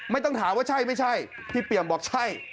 ไม่ต้องถามว่าใช่ไม่ใช่พี่เปี่ยมบอกใช่